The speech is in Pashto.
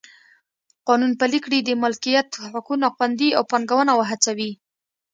قانون پلی کړي د مالکیت حقوق خوندي او پانګونه وهڅوي.